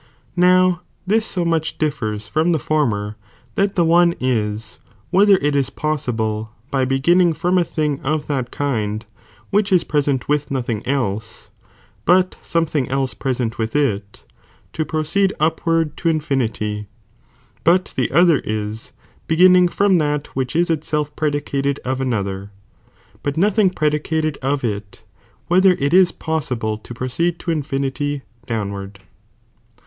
* Now this so much differs from the former, that the one is, whether ih^f^*^ it is possible by beginning from a thing of that •'»'*^ «fic. of kind, j which is preaent with nothing ehe, but to laAni™." something else present with it, to proceed upward ^'^ °ujE " to infinity ; but the other is, banning from that which Is itself predicated of another, but nothing predicated of it,§ whether it is possible to proceed to infinity downward.